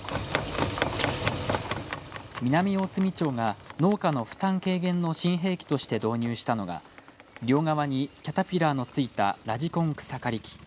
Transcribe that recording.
南大隅町が農家の負担軽減の新兵器として導入したのが両側にキャタピラーの付いたラジコン草刈り機。